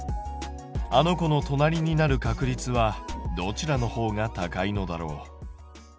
あの子の隣になる確率はどちらの方が高いのだろう？